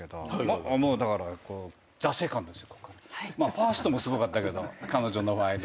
ファーストもすごかったけど彼女の場合。